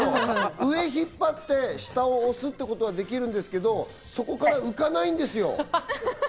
上引っ張って、下を押すってことはできるんですけど、そこから浮かないんですよ。